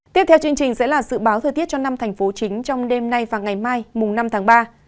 tiếp theo chương trình sẽ là dự báo thời tiết cho năm thành phố chính trong đêm nay và ngày mai năm tháng ba